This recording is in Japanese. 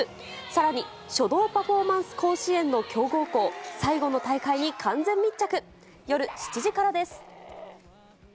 さらに、書道パフォーマンス甲子園の強豪校、最後の大会に完全密着。